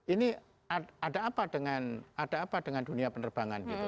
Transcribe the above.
ini ada apa dengan dunia penerbangan gitu